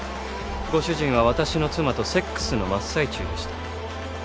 ご主人は私の妻とセックスの真っ最中でした。